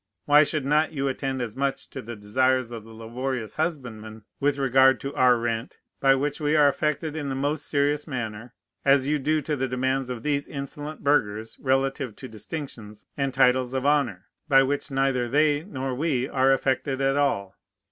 Why should not you attend as much to the desires of the laborious husbandman with regard to our rent, by which we are affected in the most serious manner, as you do to the demands of these insolent burghers relative to distinctions and titles of honor, by which neither they nor we are affected at all?